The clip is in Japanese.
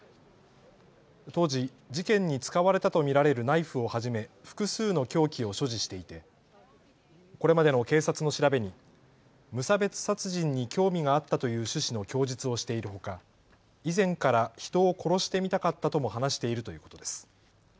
当時、事件に使われたと見られるナイフをはじめ複数の凶器を所持していてこれまでの警察の調べに無差別殺人に興味があったという趣旨の供述をしているほか以前から人を殺してみたかったとも話しているということです。